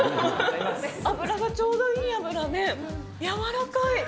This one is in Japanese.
脂がちょうどいい脂で、柔らかい。